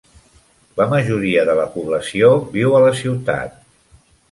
La majoria de la població viu a la ciutat.